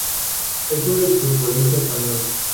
Es un exfutbolista español.